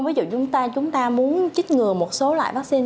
ví dụ chúng ta muốn chích ngừa một số loại vaccine